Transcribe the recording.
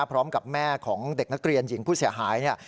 พร้อมกับแม่ของเด็กนักเรียนหญิงผู้เสียหายเนี่ย